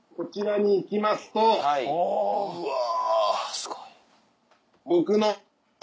すごい。